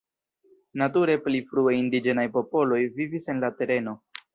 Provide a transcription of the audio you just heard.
Nature pli frue indiĝenaj popoloj vivis en la tereno.